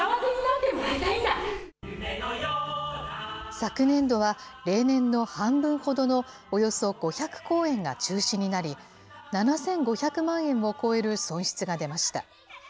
昨年度は、例年の半分ほどのおよそ５００公演が中止になり、７５００万円を超える損失が出ました。